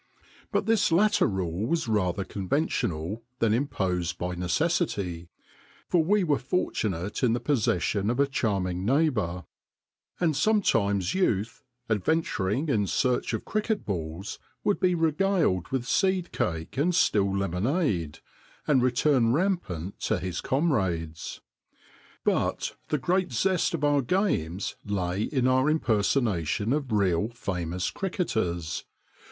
But this latter rule was rather conventional than imposed by necessity, for we were fortunate in the possession of a charming neighbour ; and sometimes youth^ adven 9 114 THE DAY BEFORE YESTERDAY turing in search of cricket balls, would be regaled with seed cake and still lemonade, and return rampant to his comrades. But the great zest of our games lay in our im personation of real famous cricketers.